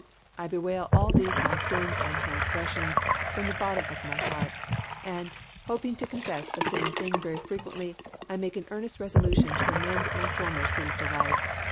I bewail all these my sins and transgressions from the bottom of my heart; and, hoping to confess the same thing very frequently, I make an earnest resolution to amend my former sinful life.